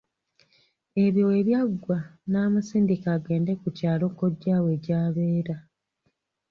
Ebyo webyaggwa n'amusindika agende ku kyalo kojja we gy'abeera.